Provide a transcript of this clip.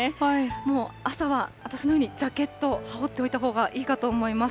もう朝は私のように、ジャケットを羽織っておいたほうがいいかと思います。